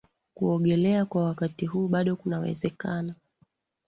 Kuogelea kwa wakati huu bado kunawezekana